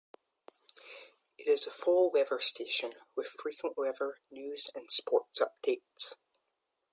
It is a full service station, with frequent weather, news and sports updates.